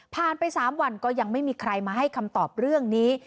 ไป๓วันก็ยังไม่มีใครมาให้คำตอบเรื่องนี้